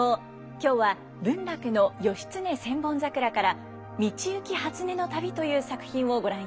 今日は文楽の「義経千本桜」から「道行初音旅」という作品をご覧いただきます。